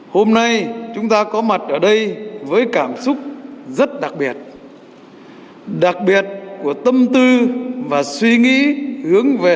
hôm nay chúng ta có mặt ở đây với cảm xúc rất đặc biệt đặc biệt của tâm tư và suy nghĩ hướng về